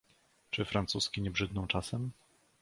"Czy Francuzki nie brzydną czasem?"